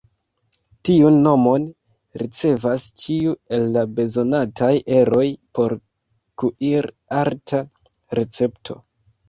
Tiun nomon ricevas ĉiu el la bezonataj eroj por kuir-arta recepto.